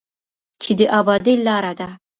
چې د ابادۍ لاره ده.